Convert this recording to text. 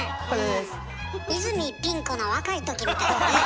泉ピン子の若い時みたいよね。